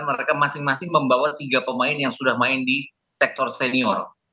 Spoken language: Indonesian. mereka masing masing membawa tiga pemain yang sudah main di sektor senior